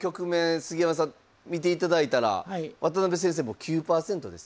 杉山さん見ていただいたら渡辺先生もう９％です。